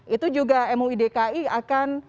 itu juga mui dki akan